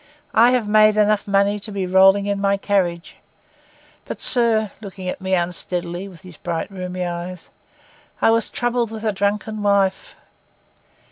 I have made enough money to be rolling in my carriage. But, sir,' looking at me unsteadily with his bright rheumy eyes, 'I was troubled with a drunken wife.